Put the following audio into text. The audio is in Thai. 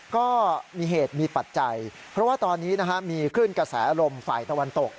ก็มีเหตุมีปัจจัยเพราะว่าตอนนี้มีคลื่นกระแสลมฝ่ายตะวันตก